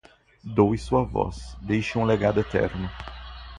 Doe sua voz, deixe um legado eterno